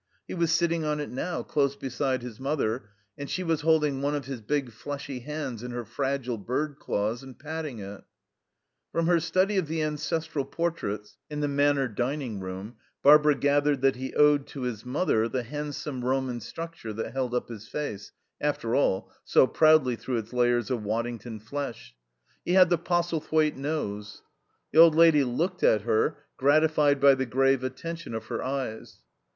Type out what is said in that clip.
He was sitting on it now, close beside his mother, and she was holding one of his big, fleshy hands in her fragile bird claws and patting it. From her study of the ancestral portraits in the Manor dining room Barbara gathered that he owed to his mother the handsome Roman structure that held up his face, after all, so proudly through its layers of Waddington flesh. He had the Postlethwaite nose. The old lady looked at her, gratified by the grave attention of her eyes.